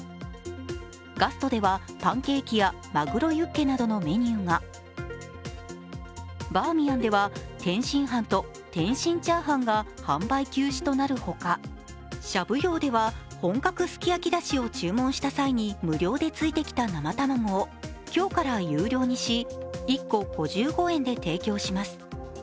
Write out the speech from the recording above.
ガストでは、パンケーキやまぐろユッケなどのメニューが、バーミヤンでは、天津飯と天津チャーハンが販売休止となるほか、しゃぶ葉では本格すき焼きだしを注文した際に無料でついてきた生卵を今日から有料にし１個５５円で提供します。